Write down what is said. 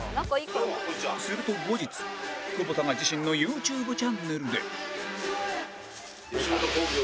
すると後日久保田が自身のユーチューブチャンネルで